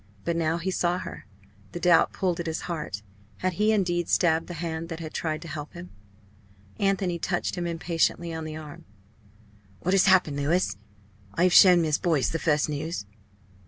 But now he saw her, the doubt pulled at his heart. Had he indeed stabbed the hand that had tried to help him? Anthony touched him impatiently on the arm. "What has happened, Louis? I have shown Miss Boyce the first news."